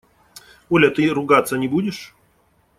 – Оля, ты ругаться не будешь?